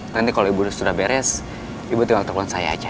nanti kalau ibu sudah beres ibu tinggal telepon saya aja